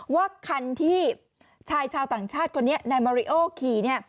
ว่าคันที่ชายชาวต่างชาติคนนี้นายมาริโอขี่เนี่ย